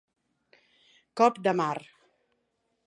Cop de mar.